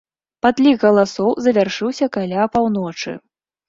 Падлік галасоў завяршыўся каля паўночы.